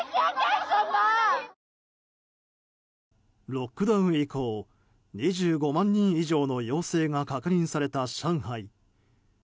ロックダウン以降２５万人以上の陽性が確認された上海。